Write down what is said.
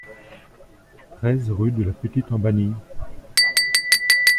treize rue de la Petite Embanie